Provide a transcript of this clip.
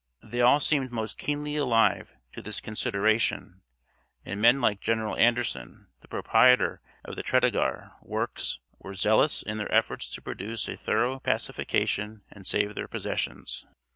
They all seemed most keenly alive to this consideration, and men like General Anderson, the proprietor of the Tredegar works, were zealous in their efforts to produce a thorough pacification and save their possessions.